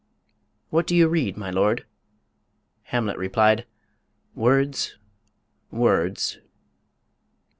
"What do you read, my lord?" Hamlet replied, "Words. Words.